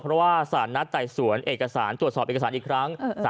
เพราะว่าสารนัดจ่ายสวนตรวจสอบเอกสารอีกครั้ง